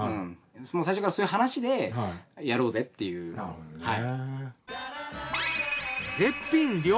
最初からそういう話でやろうぜっていうはい。